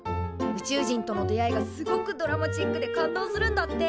宇宙人との出会いがすごくドラマチックで感動するんだって！